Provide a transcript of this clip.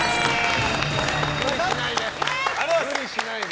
無理しないで。